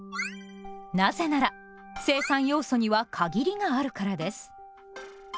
なぜなら生産要素には限りがあるからです。